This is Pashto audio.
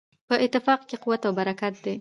په اتفاق کې قوت او برکت دی.